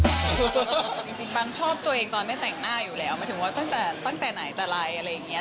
จริงปังชอบตัวเองตอนไม่แต่งหน้าอยู่แล้วหมายถึงว่าตั้งแต่ไหนแต่ไรอะไรอย่างนี้